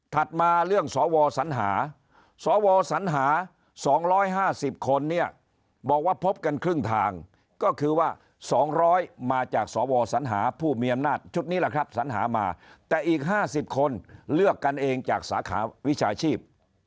มาเรื่องสวสัญหาสวสัญหา๒๕๐คนเนี่ยบอกว่าพบกันครึ่งทางก็คือว่า๒๐๐มาจากสวสัญหาผู้มีอำนาจชุดนี้แหละครับสัญหามาแต่อีก๕๐คนเลือกกันเองจากสาขาวิชาชีพ